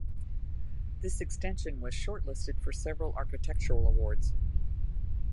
This extension was shortlisted for several architectural awards.